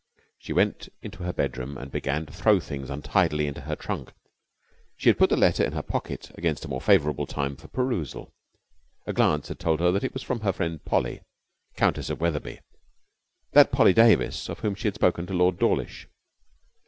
She went into her bedroom and began to throw things untidily into her trunk. She had put the letter in her pocket against a more favourable time for perusal. A glance had told her that it was from her friend Polly, Countess of Wetherby: that Polly Davis of whom she had spoken to Lord Dawlish.